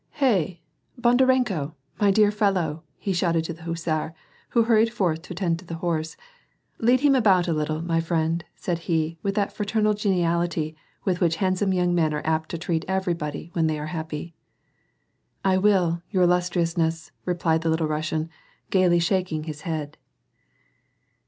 "Hey! Bondarenko, my dear fellow," he shouted to the hussar who hurried forward to attend to the horse. " Lead him about a little, my friend," said he, with that fraternal gen iality with which handsome young men are apt to treat every body when they are happy. " I will, your illustriousness," replied the little Russian, * gayly shaking his head.